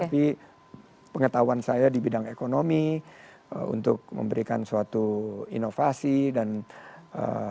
tapi pengetahuan saya di bidang ekonomi untuk memberikan suatu inovasi dan ee